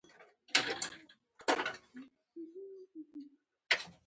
بزګر له اوبو سره ژوره اړیکه لري